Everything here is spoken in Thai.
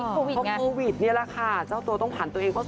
เพราะโปรวิดเนี่ยล่ะค่ะเจ้าตัวต้องผ่านตัวเอง